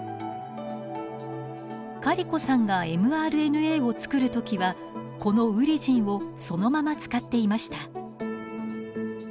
カリコさんがｍＲＮＡを作る時はこのウリジンをそのまま使っていました。